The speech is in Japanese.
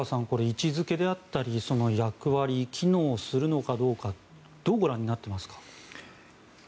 位置付けであったり役割が機能するのかどうかどうご覧になっていますか。